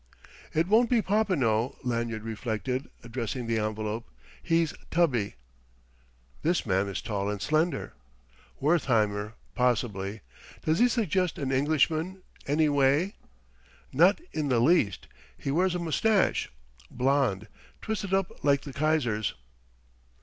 "It won't be Popinot," Lanyard reflected, addressing the envelope; "he's tubby." "This man is tall and slender." "Wertheimer, possibly. Does he suggest an Englishman, any way?" "Not in the least. He wears a moustache blond twisted up like the Kaiser's."